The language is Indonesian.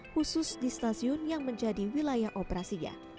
khusus di stasiun yang menjadi wilayah operasinya